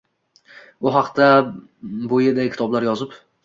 u haqda boʼyiday kitoblar yozib